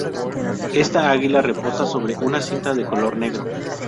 Esta águila reposa sobre una cinta de color negro.